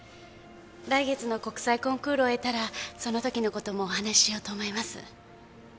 来月の国際コンクールを終えたらその時の事もお話ししようと思います。